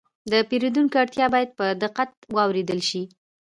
د پیرودونکي اړتیا باید په دقت واورېدل شي.